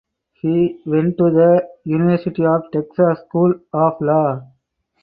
He went to the University of Texas School of Law.